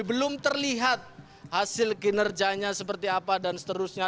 belum terlihat hasil kinerjanya seperti apa dan seterusnya